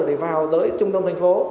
để vào tới trung đông thành phố